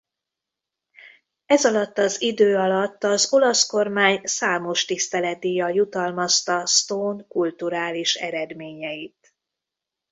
Ez alatt az idő alatt az olasz kormány számos tiszteletdíjjal jutalmazta Stone kulturális eredményeit.